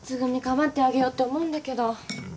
構ってあげようって思うんだけど。